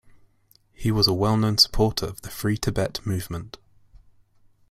He was a well-known supporter of the Free Tibet movement.